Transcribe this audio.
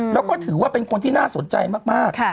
แล้วก็ถือว่าเป็นคนที่น่าสนใจมาก